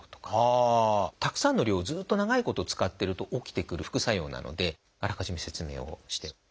たくさんの量をずっと長いこと使ってると起きてくる副作用なのであらかじめ説明をして。